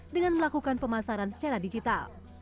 dengan melakukan pemasaran secara digital